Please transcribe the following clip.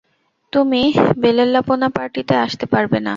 তুমি বেলেল্লাপনা পার্টিতে আসতে পারবে না!